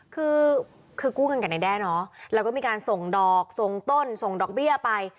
คือคือกู้เงินกับนายแด้เนอะแล้วก็มีการส่งดอกส่งต้นส่งดอกเบี้ยไป